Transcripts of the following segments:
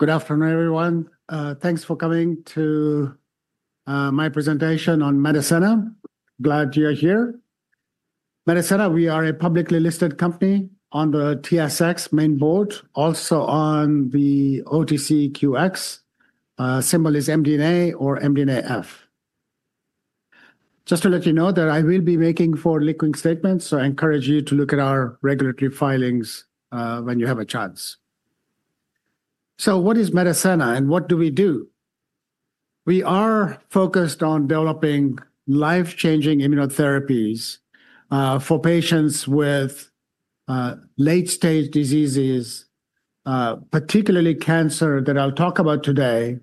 Good afternoon, everyone. Thanks for coming to my presentation on Medicenna. Glad you're here. Medicenna, we are a publicly listed company on the TSX main board, also on the OTCQX. The symbol is MDNA or MDNA. Just to let you know that I will be making forward-looking statements, so I encourage you to look at our regulatory filings when you have a chance. What is Medicenna and what do we do? We are focused on developing life-changing immunotherapies for patients with late-stage diseases, particularly cancer that I'll talk about today,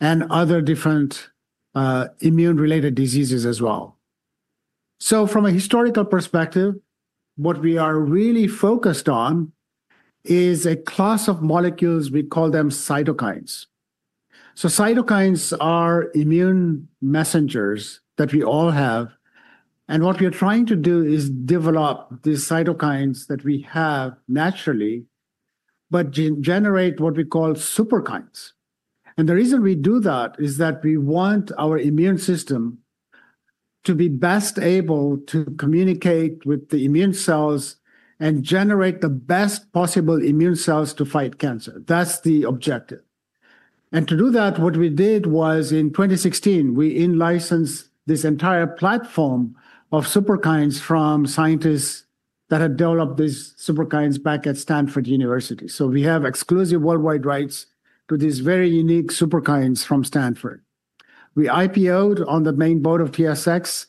and other different immune-related diseases as well. From a historical perspective, what we are really focused on is a class of molecules we call cytokines. Cytokines are immune messengers that we all have. What we are trying to do is develop these cytokines that we have naturally, but generate what we call Superkines. The reason we do that is that we want our immune system to be best able to communicate with the immune cells and generate the best possible immune cells to fight cancer. That's the objective. To do that, what we did was in 2016, we licensed this entire platform of Superkines from scientists that had developed these Superkines back at Stanford University. We have exclusive worldwide rights to these very unique Superkines from Stanford. We IPO'd on the main board of TSX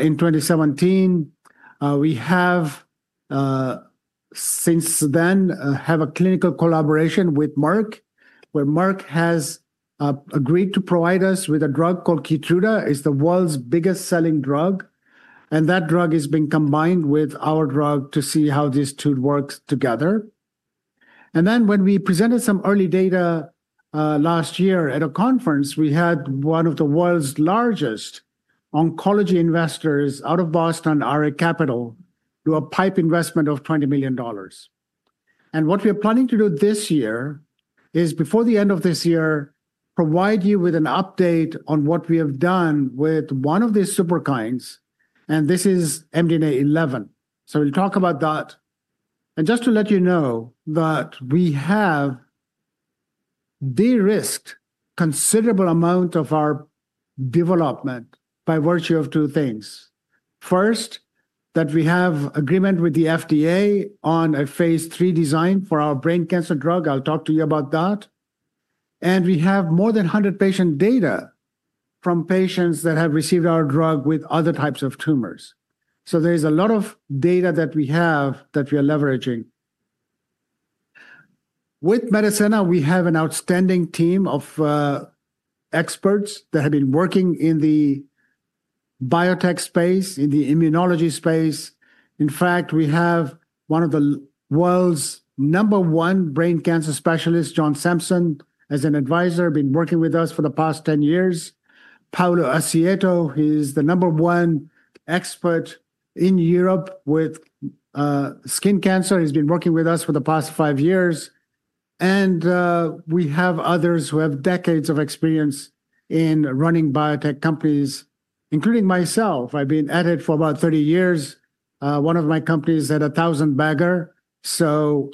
in 2017. We have since then had a clinical collaboration with Merck, where Merck has agreed to provide us with a drug called KEYTRUDA. It's the world's biggest selling drug. That drug has been combined with our drug to see how these two work together. When we presented some early data last year at a conference, we had one of the world's largest oncology investors out of Boston, ARA Capital, do a PIPE investment of $20 million. What we are planning to do this year is, before the end of this year, provide you with an update on what we have done with one of these Superkines. This is MDNA11. We'll talk about that. Just to let you know that we have de-risked a considerable amount of our development by virtue of two things. First, that we have an agreement with the FDA on a phase III design for our brain cancer drug. I'll talk to you about that. We have more than 100 patient data from patients that have received our drug with other types of tumors. There is a lot of data that we have that we are leveraging. With Medicenna, we have an outstanding team of experts that have been working in the biotech space, in the immunology space. In fact, we have one of the world's number one brain cancer specialists, John Sampson, as an advisor, been working with us for the past 10 years. Paolo Ascierto, he's the number one expert in Europe with skin cancer. He's been working with us for the past five years. We have others who have decades of experience in running biotech companies, including myself. I've been at it for about 30 years. One of my companies had a thousand-bagger.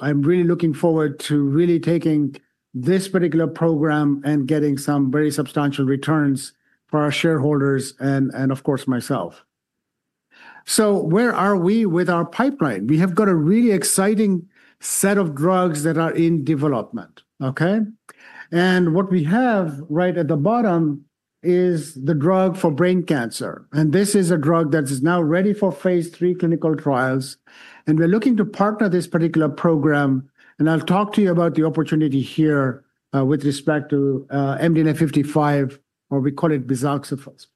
I'm really looking forward to really taking this particular program and getting some very substantial returns for our shareholders and, of course, myself. Where are we with our pipeline? We have got a really exciting set of drugs that are in development. What we have right at the bottom is the drug for brain cancer. This is a drug that is now ready for phase III clinical trials. We're looking to partner this particular program. I'll talk to you about the opportunity here with respect to MDNA55, or we call it Bizaxofusp.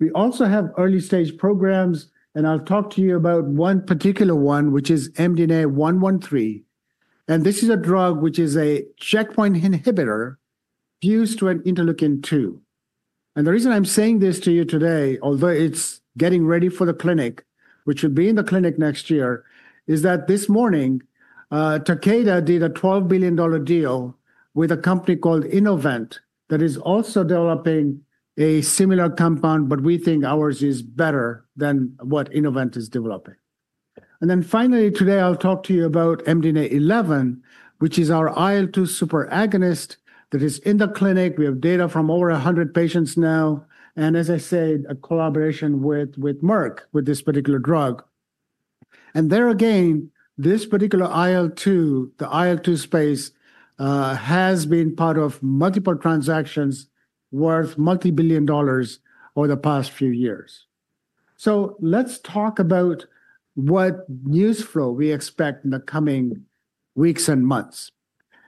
We also have early-stage programs. I'll talk to you about one particular one, which is MDNA113. This is a drug which is a checkpoint inhibitor fused to an interleukin 2. The reason I'm saying this to you today, although it's getting ready for the clinic, which will be in the clinic next year, is that this morning, Takeda did a $11.2 billion deal with a company called Innovent that is also developing a similar compound, but we think ours is better than what Innovent is developing. Finally, today I'll talk to you about MDNA11, which is our IL-2 super agonist that is in the clinic. We have data from over 100 patients now. As I said, a collaboration with Merck with this particular drug. There again, this particular IL-2, the IL-2 space, has been part of multiple transactions worth multibillion dollars over the past few years. Let's talk about what news flow we expect in the coming weeks and months.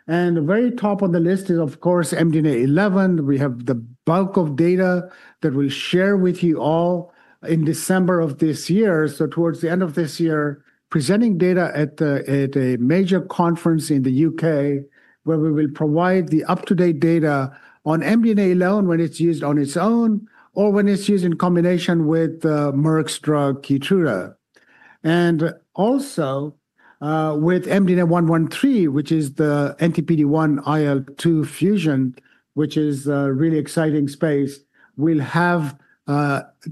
The very top on the list is, of course, MDNA11. We have the bulk of data that we'll share with you all in December of this year. Towards the end of this year, presenting data at a major conference in the UK where we will provide the up-to-date data on MDNA11, when it's used on its own or when it's used in combination with Merck's drug KEYTRUDA. Also with MDNA113, which is the anti-PD-1/IL-2 fusion, which is a really exciting space, we'll have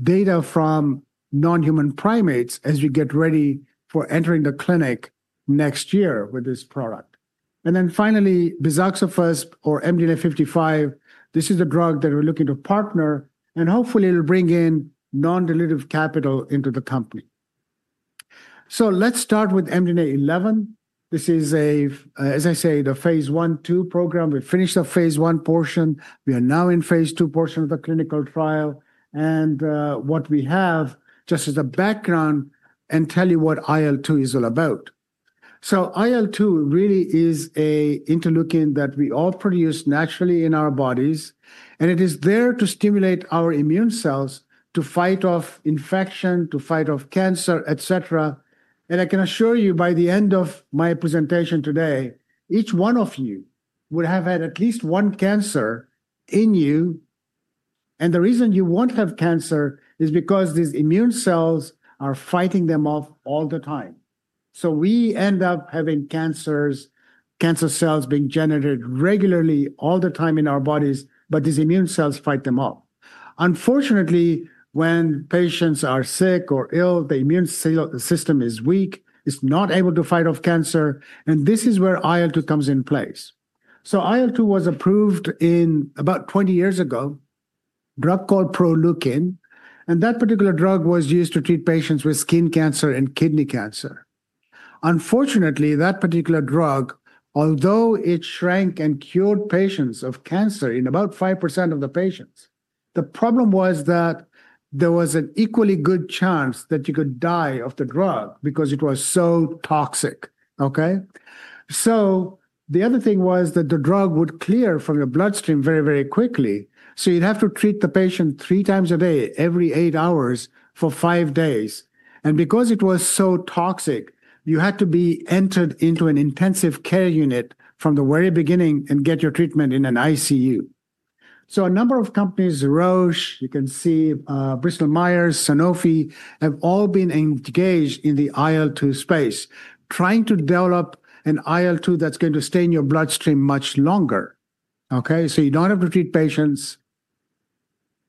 data from non-human primates as we get ready for entering the clinic next year with this product. Finally, Bizaxofusp or MDNA55, this is a drug that we're looking to partner, and hopefully, it'll bring in non-dilutive capital into the company. Let's start with MDNA11. This is, as I say, the phase 1/2 program. We finished the phase 1 portion. We are now in the phase 2 portion of the clinical trial. What we have, just as a background, and to tell you what IL-2 is all about. IL-2 really is an interleukin that we all produce naturally in our bodies, and it is there to stimulate our immune cells to fight off infection, to fight off cancer, et cetera. I can assure you, by the end of my presentation today, each one of you will have had at least one cancer in you, and the reason you won't have cancer is because these immune cells are fighting them off all the time. We end up having cancers, cancer cells being generated regularly all the time in our bodies, but these immune cells fight them off. Unfortunately, when patients are sick or ill, the immune system is weak. It's not able to fight off cancer, and this is where IL-2 comes in place. IL-2 was approved about 20 years ago, a drug called PROLEUKIN. That particular drug was used to treat patients with skin cancer and kidney cancer. Unfortunately, that particular drug, although it shrank and cured patients of cancer in about 5% of the patients, the problem was that there was an equally good chance that you could die of the drug because it was so toxic. The other thing was that the drug would clear from your bloodstream very, very quickly, so you'd have to treat the patient three times a day, every eight hours for five days. Because it was so toxic, you had to be entered into an intensive care unit from the very beginning and get your treatment in an ICU. A number of companies, Roche, Bristol-Myers, Sanofi, have all been engaged in the IL-2 space, trying to develop an IL-2 that's going to stay in your bloodstream much longer. You don't have to treat patients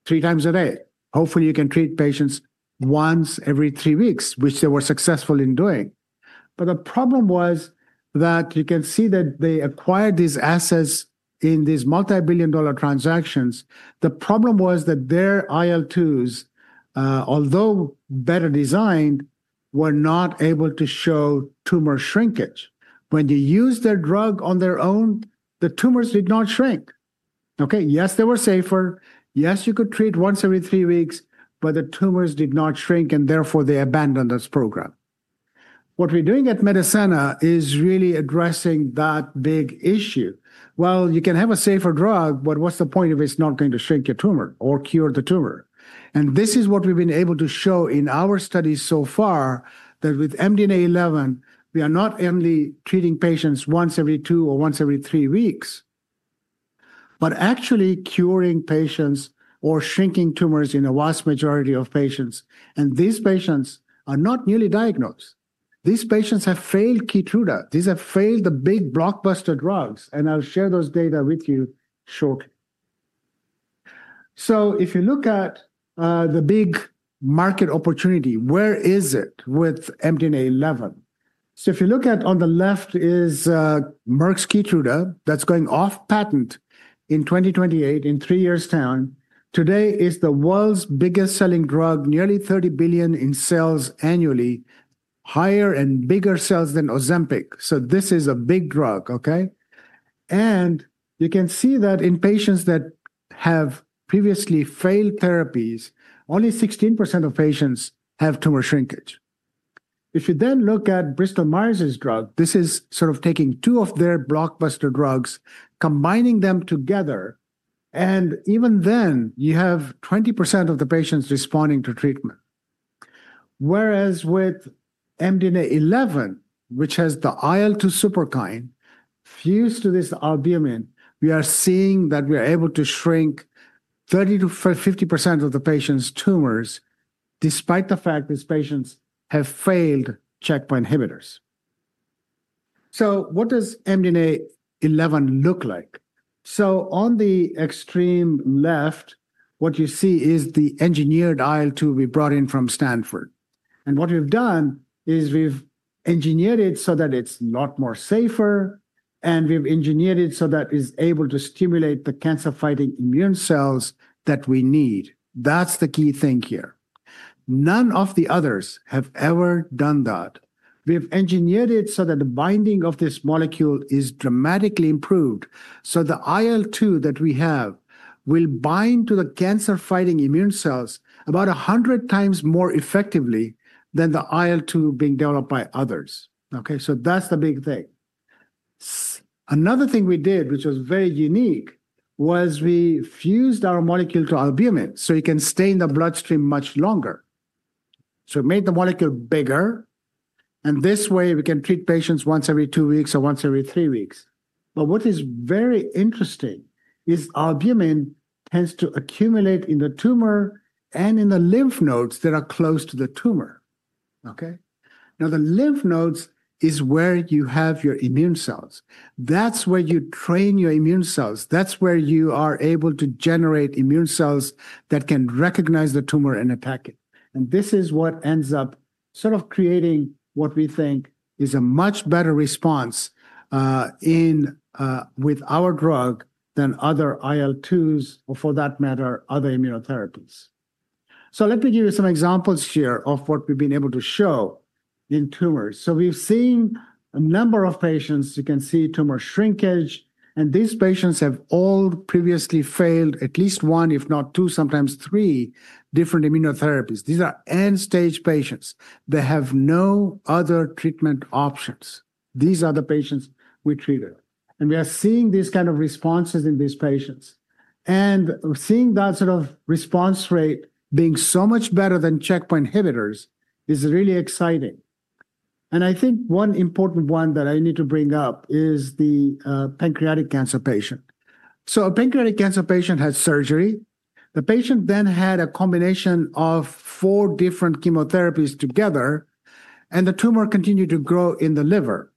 3x a day. Hopefully, you can treat patients once every three weeks, which they were successful in doing. The problem was that you can see that they acquired these assets in these multibillion dollar transactions. The problem was that their IL-2s, although better designed, were not able to show tumor shrinkage. When you used their drug on their own, the tumors did not shrink. Yes, they were safer. Yes, you could treat once every three weeks, but the tumors did not shrink. Therefore, they abandoned this program. What we're doing at Medicenna is really addressing that big issue. You can have a safer drug, but what's the point if it's not going to shrink your tumor or cure the tumor? This is what we've been able to show in our studies so far, that with MDNA11, we are not only treating patients once every two or once every three weeks, but actually curing patients or shrinking tumors in a vast majority of patients. These patients are not newly diagnosed. These patients have failed KEYTRUDA. These have failed the big blockbuster drugs. I'll share those data with you shortly. If you look at the big market opportunity, where is it with MDNA11? If you look at on the left is Merck's KEYTRUDA that's going off patent in 2028, in three years' time. Today it is the world's biggest selling drug, nearly $30 billion in sales annually, higher and bigger sales than Ozempic. This is a big drug. You can see that in patients that have previously failed therapies, only 16% of patients have tumor shrinkage. If you then look at Bristol Myers' drug, this is sort of taking two of their blockbuster drugs, combining them together. Even then, you have 20% of the patients responding to treatment. Whereas with MDNA11, which has the IL-2 super kind fused to this albumin, we are seeing that we are able to shrink 30%-50% of the patients' tumors, despite the fact these patients have failed checkpoint inhibitors. What does MDNA11 look like? On the extreme left, what you see is the engineered IL-2 we brought in from Stanford. What we've done is we've engineered it so that it's a lot more safer. We've engineered it so that it's able to stimulate the cancer-fighting immune cells that we need. That's the key thing here. None of the others have ever done that. We've engineered it so that the binding of this molecule is dramatically improved. The IL-2 that we have will bind to the cancer-fighting immune cells about 100x more effectively than the IL-2 being developed by others. That's the big thing. Another thing we did, which was very unique, was we fused our molecule to albumin so you can stay in the bloodstream much longer. It made the molecule bigger. In this way, we can treat patients once every two weeks or once every three weeks. What is very interesting is albumin tends to accumulate in the tumor and in the lymph nodes that are close to the tumor. The lymph nodes are where you have your immune cells. That's where you train your immune cells. That's where you are able to generate immune cells that can recognize the tumor and attack it. This is what ends up sort of creating what we think is a much better response with our drug than other IL-2s or, for that matter, other immunotherapies. Let me give you some examples here of what we've been able to show in tumors. We've seen a number of patients. You can see tumor shrinkage. These patients have all previously failed at least one, if not two, sometimes three different immunotherapies. These are end-stage patients. They have no other treatment options. These are the patients we treated. We are seeing these kinds of responses in these patients. Seeing that sort of response rate being so much better than checkpoint inhibitors is really exciting. I think one important one that I need to bring up is the pancreatic cancer patient. A pancreatic cancer patient had surgery. The patient then had a combination of four different chemotherapies together, and the tumor continued to grow in the liver.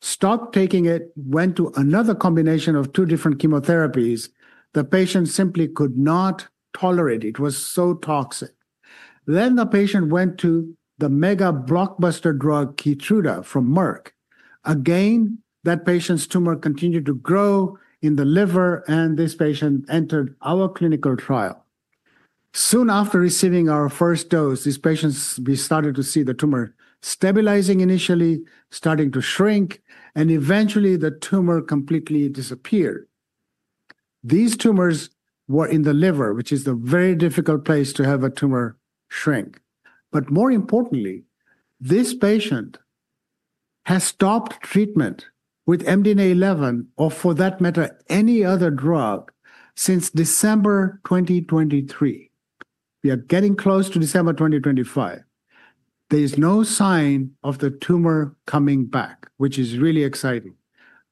Stopped taking it, went to another combination of two different chemotherapies. The patient simply could not tolerate it. It was so toxic. The patient went to the mega blockbuster drug KEYTRUDA from Merck. Again, that patient's tumor continued to grow in the liver. This patient entered our clinical trial. Soon after receiving our first dose, these patients, we started to see the tumor stabilizing initially, starting to shrink. Eventually, the tumor completely disappeared. These tumors were in the liver, which is a very difficult place to have a tumor shrink. More importantly, this patient has stopped treatment with MDNA11 or, for that matter, any other drug since December 2023. We are getting close to December 2025. There is no sign of the tumor coming back, which is really exciting.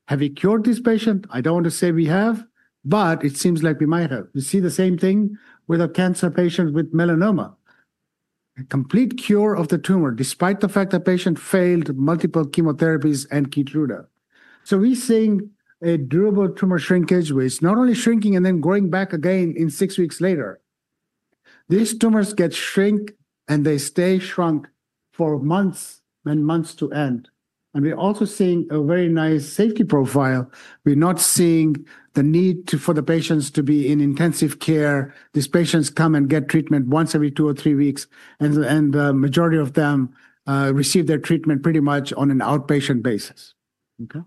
Have we cured this patient? I don't want to say we have, but it seems like we might have. We see the same thing with a cancer patient with melanoma. A complete cure of the tumor, despite the fact that the patient failed multiple chemotherapies and KEYTRUDA. We're seeing a durable tumor shrinkage, where it's not only shrinking and then growing back again six weeks later. These tumors get shrunk, and they stay shrunk for months and months to end. We're also seeing a very nice safety profile. We're not seeing the need for the patients to be in intensive care. These patients come and get treatment once every two or three weeks. The majority of them receive their treatment pretty much on an outpatient basis. OK.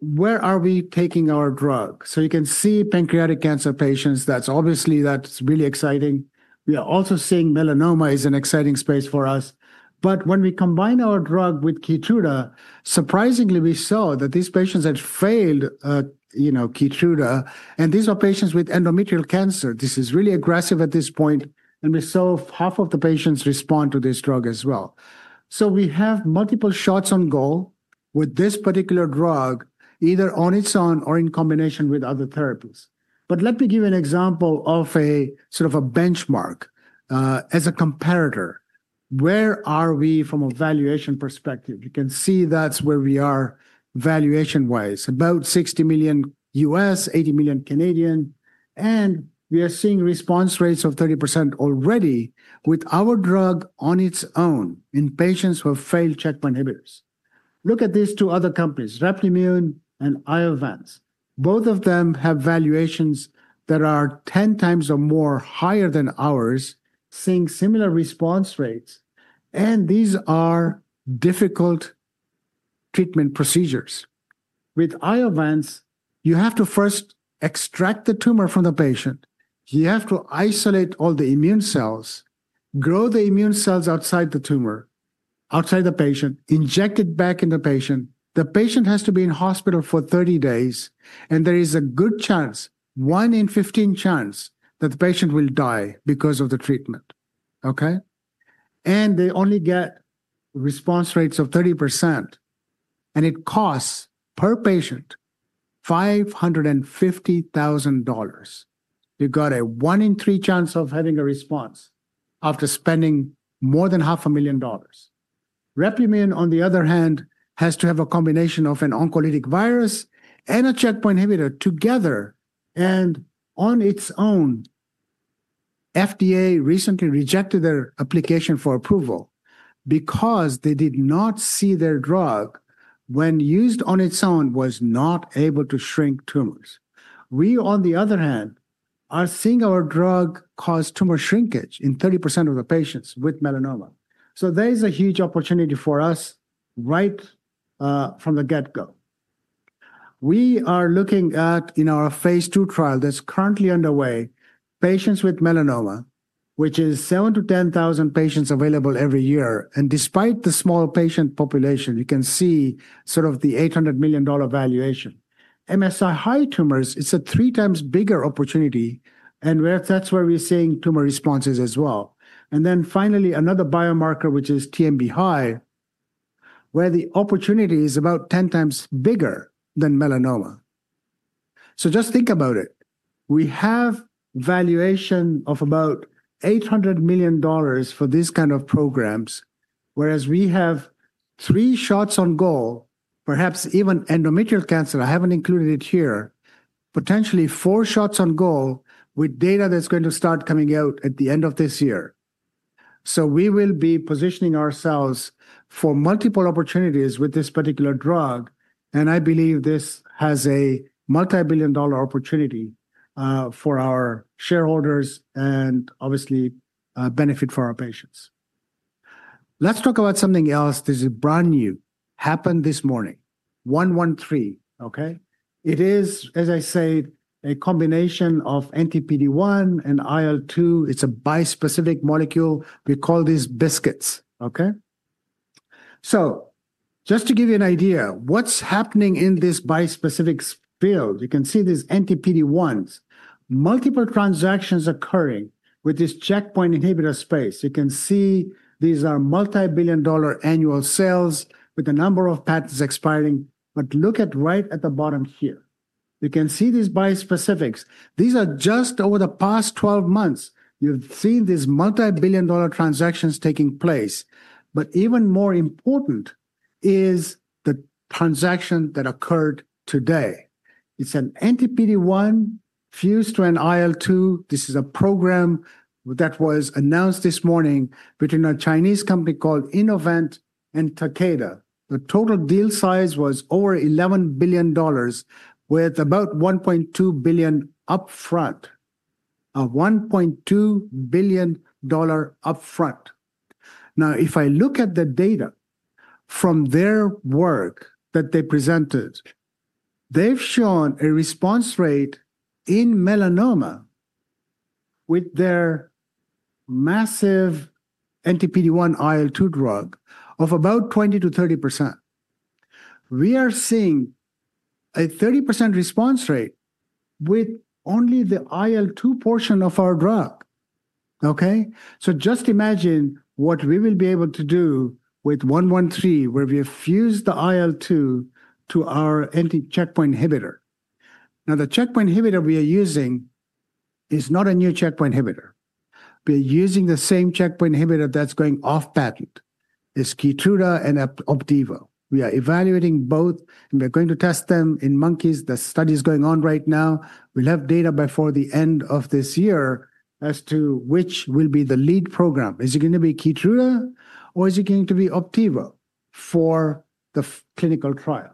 Where are we taking our drug? You can see pancreatic cancer patients. That's obviously really exciting. We are also seeing melanoma is an exciting space for us. When we combine our drug with KEYTRUDA, surprisingly, we saw that these patients had failed KEYTRUDA. These are patients with endometrial cancer. This is really aggressive at this point. We saw half of the patients respond to this drug as well. We have multiple shots on goal with this particular drug, either on its own or in combination with other therapies. Let me give you an example of a sort of a benchmark as a comparator. Where are we from a valuation perspective? You can see that's where we are valuation-wise, about $60 million U.S., 80 million. We are seeing response rates of 30% already with our drug on its own in patients who have failed checkpoint inhibitors. Look at these two other companies, Replimune and Iovance. Both of them have valuations that are 10x or more higher than ours, seeing similar response rates. These are difficult treatment procedures. With Iovance, you have to first extract the tumor from the patient. You have to isolate all the immune cells, grow the immune cells outside the tumor, outside the patient, inject it back in the patient. The patient has to be in hospital for 30 days. There is a good chance, 1 in 15 chance, that the patient will die because of the treatment. OK. They only get response rates of 30%. It costs per patient $550,000. You've got a 1 in 3 chance of having a response after spending more than half a million dollars. Replimune, on the other hand, has to have a combination of an oncolytic virus and a checkpoint inhibitor together. On its own, FDA recently rejected their application for approval because they did not see their drug, when used on its own, was not able to shrink tumors. We, on the other hand, are seeing our drug cause tumor shrinkage in 30% of the patients with melanoma. There is a huge opportunity for us right from the get-go. We are looking at, in our phase II trial that's currently underway, patients with melanoma, which is 7,000-10,000 patients available every year. Despite the small patient population, you can see sort of the $800 million valuation. MSI high tumors, it's a three times bigger opportunity. That's where we're seeing tumor responses as well. Finally, another biomarker, which is TMB high, where the opportunity is about 10 times bigger than melanoma. Just think about it. We have valuation of about $800 million for these kinds of programs, whereas we have three shots on goal, perhaps even endometrial cancer. I haven't included it here. Potentially four shots on goal with data that's going to start coming out at the end of this year. We will be positioning ourselves for multiple opportunities with this particular drug. I believe this has a multibillion dollar opportunity for our shareholders and obviously benefit for our patients. Let's talk about something else. This is brand new. Happened this morning, 113. It is, as I said, a combination of anti-PD-1 and IL-2. It's a bispecific molecule. We call these BiSKITs™. Just to give you an idea, what's happening in this bispecific field, you can see these anti-PD-1s, multiple transactions occurring with this checkpoint inhibitor space. You can see these are multibillion dollar annual sales with a number of patents expiring. Look at right at the bottom here. You can see these bispecifics. These are just over the past 12 months. You've seen these multibillion dollar transactions taking place. Even more important is the transaction that occurred today. It's an anti-PD-1 fused to an IL-2. This is a program that was announced this morning between a Chinese company called Innovent and Takeda. The total deal size was over $11.2 billion, with about $1.2 billion upfront, a $1.2 billion upfront. If I look at the data from their work that they presented, they've shown a response rate in melanoma with their massive anti-PD-1 IL-2 drug of about 20%-30%. We are seeing a 30% response rate with only the IL-2 portion of our drug. Just imagine what we will be able to do with 113, where we have fused the IL-2 to our anti-checkpoint inhibitor. The checkpoint inhibitor we are using is not a new checkpoint inhibitor. We are using the same checkpoint inhibitor that's going off patent, this KEYTRUDA and Opdivo. We are evaluating both, and we are going to test them in monkeys. The study is going on right now. We'll have data before the end of this year as to which will be the lead program. Is it going to be KEYTRUDA or is it going to be Opdivo for the clinical trial?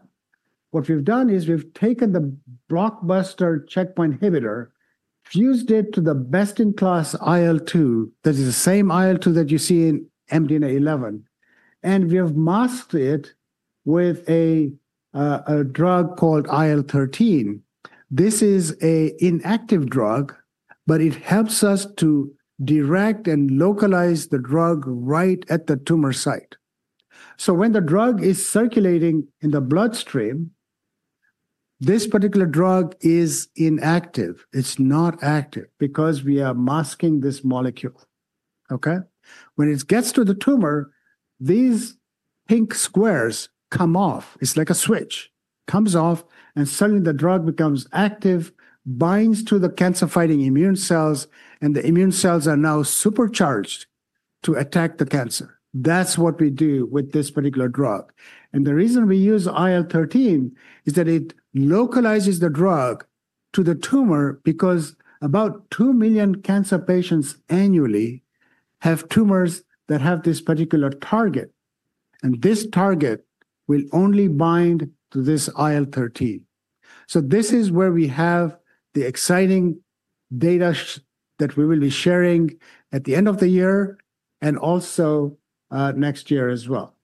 What we've done is we've taken the blockbuster checkpoint inhibitor, fused it to the best-in-class IL-2. This is the same IL-2 that you see in MDNA11, and we have masked it with a drug called IL-13. This is an inactive drug, but it helps us to direct and localize the drug right at the tumor site. When the drug is circulating in the bloodstream, this particular drug is inactive. It's not active because we are masking this molecule. When it gets to the tumor, these pink squares come off. It's like a switch. It comes off, and suddenly, the drug becomes active, binds to the cancer-fighting immune cells, and the immune cells are now supercharged to attack the cancer. That's what we do with this particular drug. The reason we use IL-13 is that it localizes the drug to the tumor because about 2 million cancer patients annually have tumors that have this particular target, and this target will only bind to this IL-13. This is where we have the exciting data that we will be sharing at the end of the year and also next year as well.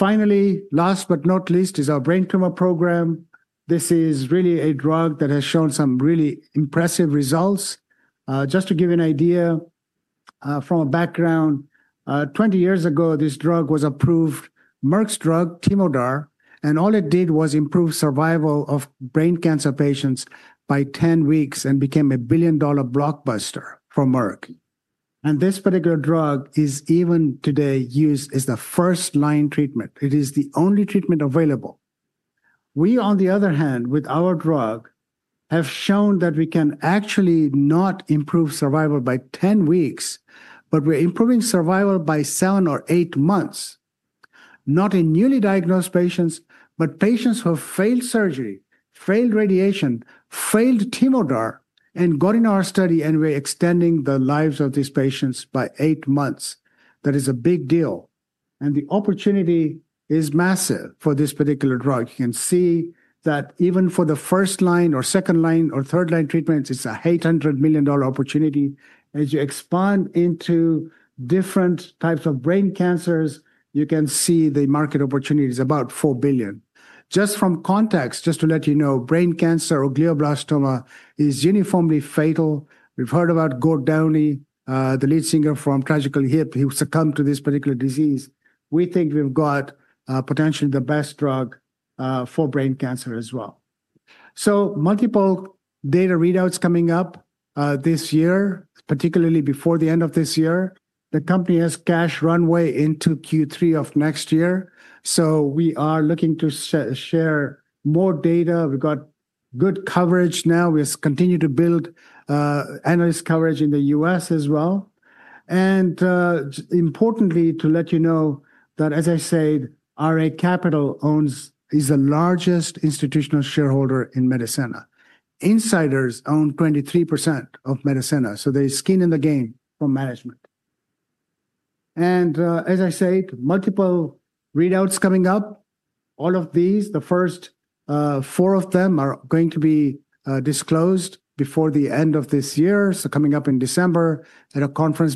Finally, last but not least, is our brain tumor program. This is really a drug that has shown some really impressive results. Just to give you an idea from a background, 20 years ago, this drug was approved, Merck's drug, TEMODAR, and all it did was improve survival of brain cancer patients by 10 weeks and became a billion-dollar blockbuster for Merck. This particular drug is even today used as the first-line treatment. It is the only treatment available. We, on the other hand, with our drug, have shown that we can actually not improve survival by 10 weeks, but we're improving survival by seven or eight months, not in newly diagnosed patients, but patients who have failed surgery, failed radiation, failed TEMODAR, and got in our study. We're extending the lives of these patients by eight months. That is a big deal, and the opportunity is massive for this particular drug. You can see that even for the first-line or second-line or third-line treatments, it's an $800 million opportunity. As you expand into different types of brain cancers, you can see the market opportunity is about $4 billion. Just from context, just to let you know, brain cancer or glioblastoma is uniformly fatal. We've heard about Gord Downey, the lead singer from Tragically Hip, who succumbed to this particular disease. We think we've got potentially the best drug for brain cancer as well. Multiple data readouts coming up this year, particularly before the end of this year. The company has cash runway into Q3 of next year. We are looking to share more data. We've got good coverage now. We continue to build analyst coverage in the U.S. as well. Importantly, to let you know that, as I said, ARA Capital is the largest institutional shareholder in Medicenna Therapeutics Corp. Insiders own 23% of Medicenna. There is skin in the game for management. As I said, multiple readouts coming up. All of these, the first four of them are going to be disclosed before the end of this year. Coming up in December at a conference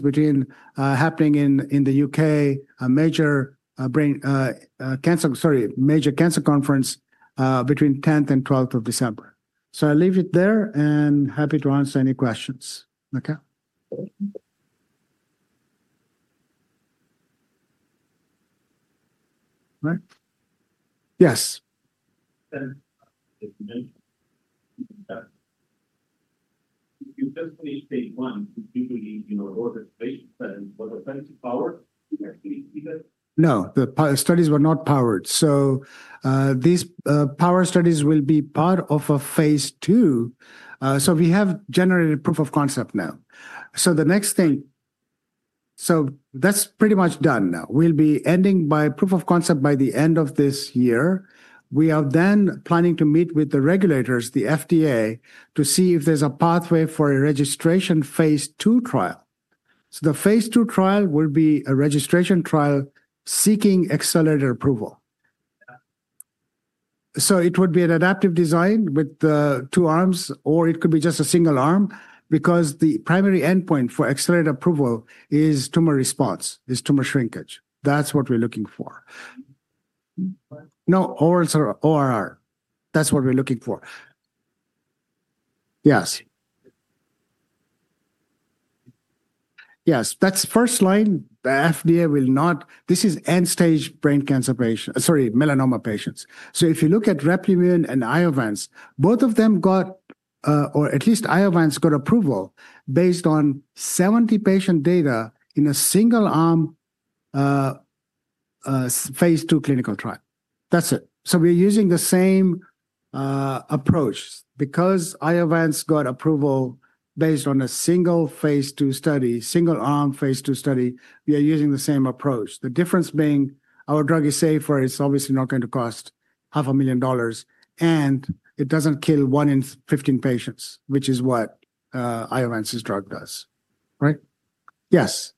happening in the UK, a major cancer conference between 10th and 12th of December. I'll leave it there and happy to answer any questions. OK. Yes. You just finished phase I. Do you believe your organization studies were essentially powered? No, the studies were not powered. These power studies will be part of a phase II. We have generated proof of concept now. The next thing, that's pretty much done now. We'll be ending by proof of concept by the end of this year. We are then planning to meet with the regulators, the FDA, to see if there's a pathway for a registration phase II trial. The phase II trial will be a registration trial seeking accelerated approval. It would be an adaptive design with the two arms, or it could be just a single arm because the primary endpoint for accelerated approval is tumor response, is tumor shrinkage. That's what we're looking for. No, ORR. That's what we're looking for. Yes. Yes, that's first line. FDA will not, this is end-stage brain cancer patients, sorry, melanoma patients. If you look at Replimune and Iovance, both of them got, or at least Iovance got approval based on 70 patient data in a single arm phase II clinical trial. That's it. We're using the same approach. Because Iovance got approval based on a single phase II study, single arm phase II study, we are using the same approach. The difference being our drug is safer. It's obviously not going to cost $500,000. It doesn't kill 1 in 15 patients, which is what Iovance's drug does. Right? Yes.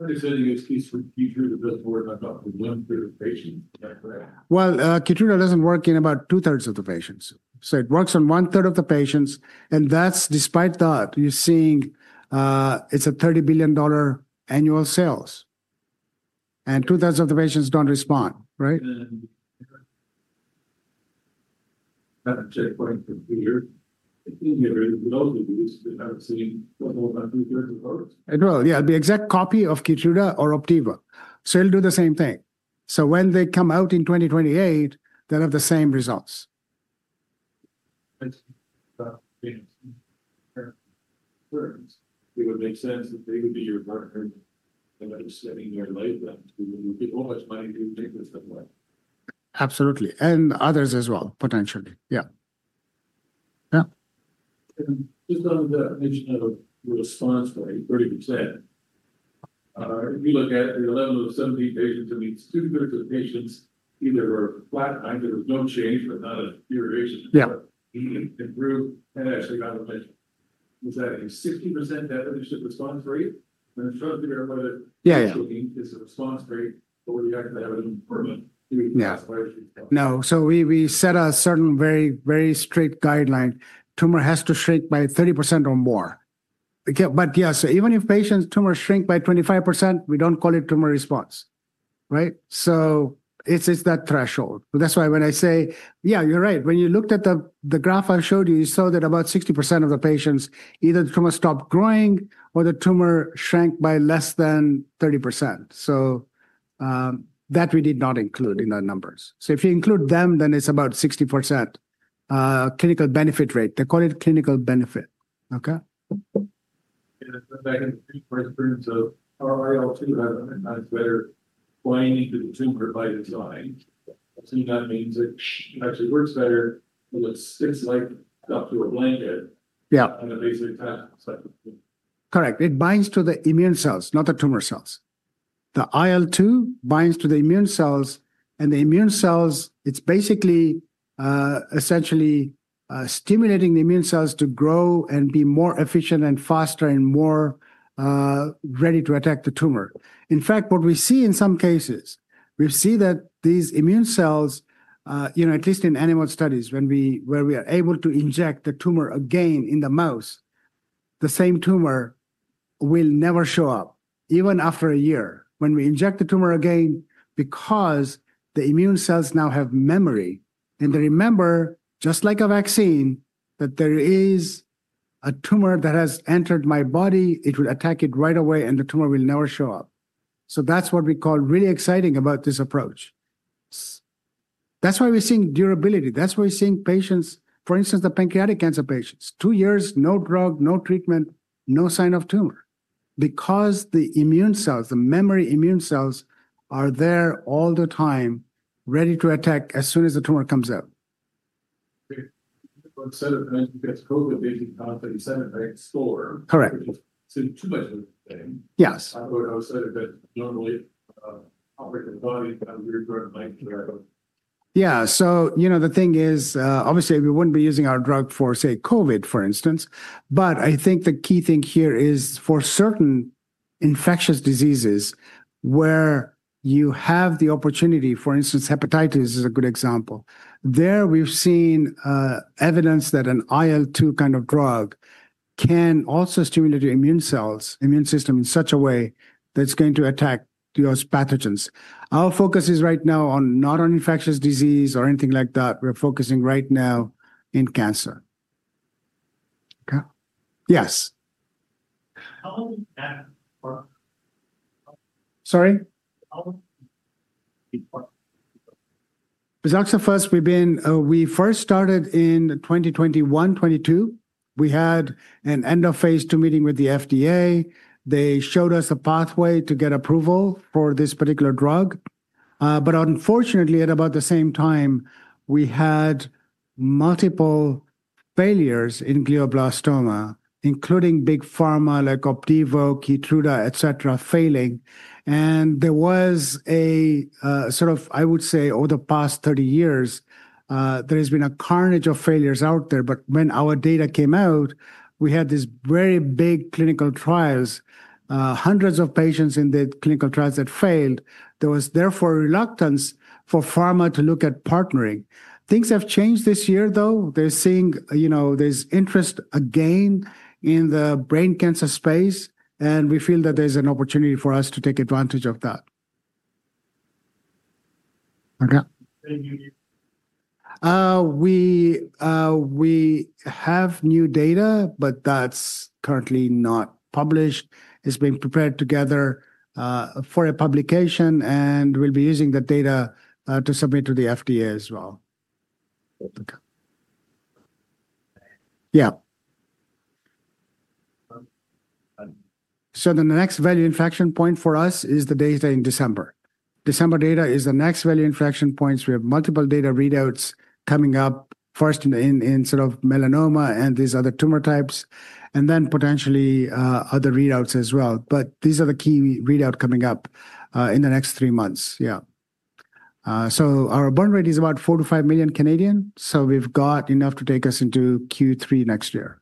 I understand your excuse for KEYTRUDA doesn't work on about 1/3 of patients. Is that correct? KEYTRUDA doesn't work in about 2/3 of the patients. It works on one-third of the patients. Despite that, you're seeing it's a $30 billion annual sales, and 2/3 of the patients don't respond, right? I have a checkpoint in the future. The thing here is, with all of these, I don't see what all that research will hurt? It will. Yeah, the exact copy of KEYTRUDA or Opdivo. It'll do the same thing. When they come out in 2028, they'll have the same results. That makes sense. It would make sense that they would be your partners and that it's sitting there lately. It would be all this money being taken somewhere? Absolutely. Others as well, potentially. Yeah. On the mention of the response rate, 30%. If you look at the 11 of 17 patients, it means 2/3 of the patients either were flatlined, there was no change, but not a deterioration? Yeah. Improved and actually got a patient. Was that a 60% response rate? I'm trying to figure out whether it's a response rate or you have to have an improvement. No. We set a certain, very, very strict guideline. Tumor has to shrink by 30% or more. Yes, even if patients' tumors shrink by 25%, we don't call it tumor response. It's that threshold. That's why when I say, yeah, you're right. When you looked at the graph I showed you, you saw that about 60% of the patients, either the tumor stopped growing or the tumor shrank by less than 30%. We did not include that in the numbers. If you include them, then it's about 60% clinical benefit rate. They call it clinical benefit. OK. I think for experience of how IL-2 has a better binding to the tumor by design, that means it actually works better, but it sticks like up to a blanket? Yeah. It basically attaches? Correct. It binds to the immune cells, not the tumor cells. The IL-2 binds to the immune cells. The immune cells, it's basically essentially stimulating the immune cells to grow and be more efficient and faster and more ready to attack the tumor. In fact, what we see in some cases, we see that these immune cells, at least in animal studies, when we are able to inject the tumor again in the mouse, the same tumor will never show up, even after a year. When we inject the tumor again, because the immune cells now have memory. They remember, just like a vaccine, that there is a tumor that has entered my body. It will attack it right away, and the tumor will never show up. That's what we call really exciting about this approach. That's why we're seeing durability. That's why we're seeing patients, for instance, the pancreatic cancer patients, two years, no drug, no treatment, no sign of tumor. The immune cells, the memory immune cells, are there all the time, ready to attack as soon as the tumor comes out. One set of events because COVID made you count 37 by score. Correct. Which is too much of a thing. Yes. I would have said that normally operating the body has got to be really throwing a blanket there. Yeah. The thing is, obviously, we wouldn't be using our drug for, say, COVID, for instance. I think the key thing here is for certain infectious diseases where you have the opportunity, for instance, hepatitis is a good example. There, we've seen evidence that an IL-2 kind of drug can also stimulate your immune cells, immune system in such a way that it's going to attack those pathogens. Our focus is right now not on infectious disease or anything like that. We're focusing right now in cancer. OK. Yes. How long did that work? Sorry? How long did it work? Bizaxofusp, we first started in 2021, 2022. We had an end of phase II meeting with the FDA. They showed us a pathway to get approval for this particular drug. Unfortunately, at about the same time, we had multiple failures in glioblastoma, including big pharma like Opdivo, KEYTRUDA, etc., failing. There has been, I would say, over the past 30 years, a carnage of failures out there. When our data came out, we had these very big clinical trials, hundreds of patients in the clinical trials that failed. There was therefore reluctance for pharma to look at partnering. Things have changed this year, though. They're seeing there's interest again in the brain cancer space. We feel that there's an opportunity for us to take advantage of that. OK. Any new data? We have new data, but that's currently not published. It's being prepared together for a publication. We'll be using the data to submit to the FDA as well. Yeah. And? The next value inflection point for us is the data in December. December data is the next value inflection point. We have multiple data readouts coming up, first in sort of melanoma and these other tumor types, and then potentially other readouts as well. These are the key readouts coming up in the next three months. Our burn rate is about 4 million-5 million. We've got enough to take us into Q3 next year.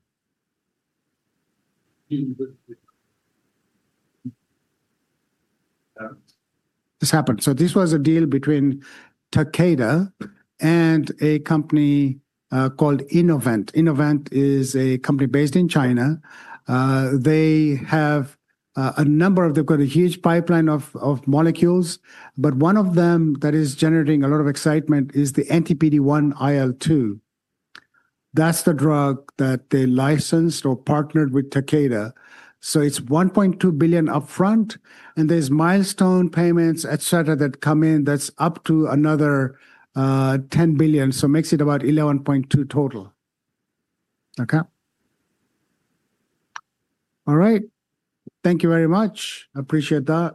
Do you think this happened? This happened. This was a deal between Takeda and a company called Innovent. Innovent is a company based in China. They have a number of them. They've got a huge pipeline of molecules. One of them that is generating a lot of excitement is the anti-PD-1/IL-2. That's the drug that they licensed or partnered with Takeda. It's $1.2 billion upfront, and there's milestone payments, et cetera, that come in. That's up to another $10 billion, which makes it about $11.2 billion total. OK. All right. Thank you very much. I appreciate that.